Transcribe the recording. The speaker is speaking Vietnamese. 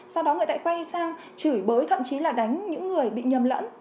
sau đó người ta quay sang chửi bới thậm chí là đánh những người bị nhầm lẫn